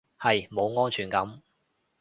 係，冇安全感